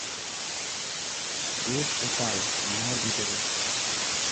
দেশ ও কাল মায়ার ভিতরে।